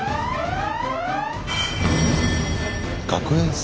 学園祭？